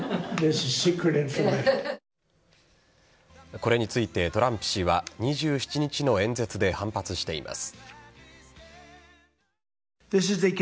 これについてトランプ氏は２７日の演説で反発しています。